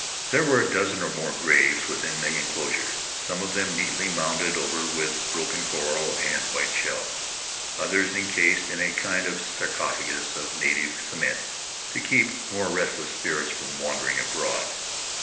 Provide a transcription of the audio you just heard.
There were a dozen or more graves within the inclosure, some of them neatly mounded over with broken coral and white shell, others incased in a kind of sarcophagus of native cement to keep more restless spirits from wandering abroad.